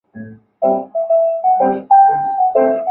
兴隆观和峨嵋山下的佛教寺院兴善寺齐名。